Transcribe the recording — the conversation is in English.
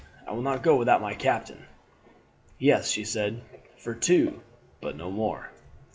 'I will not go without my captain.' "'Yes,' she said, 'for two, but no more.'